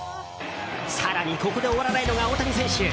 更に、ここで終わらないのが大谷選手。